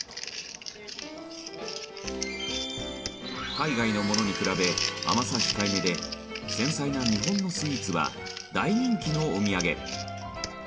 海外のものに比べ甘さ控えめで繊細な日本のスイーツは大人気のお土産